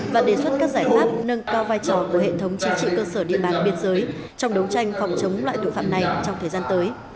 và đề xuất các giải pháp nâng cao vai trò của hệ thống chính trị cơ sở địa bàn biên giới trong đấu tranh phòng chống loại tội phạm này trong thời gian tới